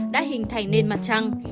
đã hình thành nên mặt trăng